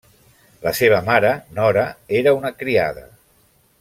La seva mare, Nora, era una criada.